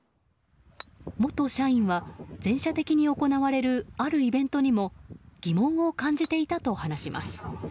元社員は、全社的に行われるあるイベントにも疑問を感じていたと話します。